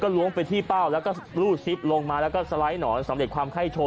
ล้วงไปที่เป้าแล้วก็รูดซิปลงมาแล้วก็สไลด์หนอนสำเร็จความไข้โชว